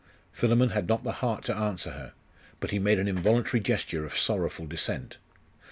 Philammon had not the heart to answer her; but he made an involuntary gesture of sorrowful dissent.